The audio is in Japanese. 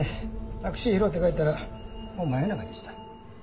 タクシー拾って帰ったらもう真夜中でした。